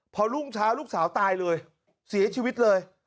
พอรุ่งเช้าลูกสาวตายเลยเสียชีวิตเลย